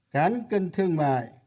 cán cân thương mại